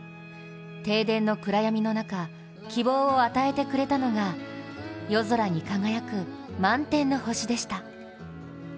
停電の暗闇の中、希望を与えてくれたのが夜空に輝く「満天の星」でした。